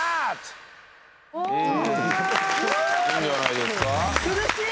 いいんじゃないですか？